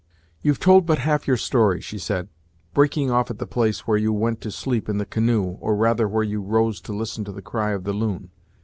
"You've told but half your story," she said, "breaking off at the place where you went to sleep in the canoe or rather where you rose to listen to the cry of the loon.